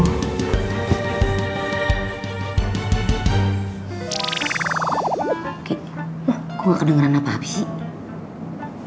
oke aku gak kedengeran apa apa sih